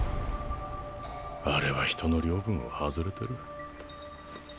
あれは人の領分を外れてる。